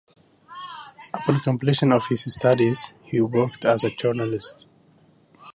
Upon completion of his studies, he worked as a journalist.